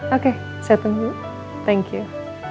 oke saya tunggu thank you